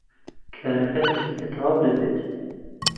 کارەکە خەریکە تەواو دەبێت.